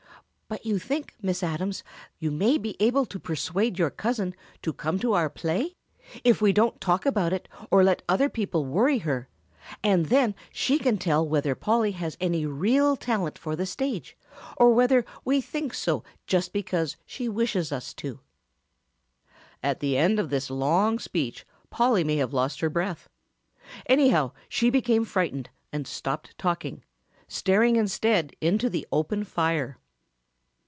'But you think, Miss Adams, that you may be able to persuade your cousin to come to our play, if we don't talk about it or let other people worry her, and then she can tell whether Polly has any real talent for the stage or whether we think so just because she wishes us to.'" At the end of this long speech Polly may have lost her breath. Anyhow, she became frightened and stopped talking, staring instead into the open fire.